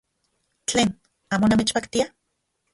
¡Tlen! ¿Amo namechpaktia?